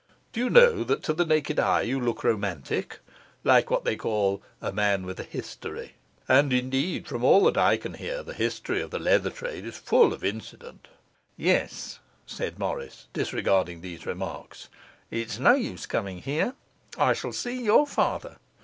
Do you know that to the naked eye you look romantic? like what they call a man with a history? And indeed, from all that I can hear, the history of the leather trade is full of incident.' 'Yes,' said Morris, disregarding these remarks, 'it's no use coming here. I shall see your father.